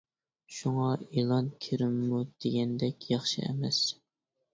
شۇڭا ئېلان كىرىمىمۇ دېگەندەك ياخشى ئەمەس.